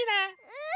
うん！